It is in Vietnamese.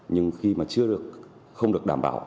nhưng khi mà chưa được không được đảm bảo